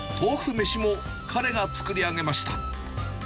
めしも、彼が作り上げました。